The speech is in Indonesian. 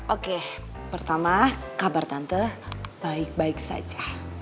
oke pertama kabar tante baik baik saja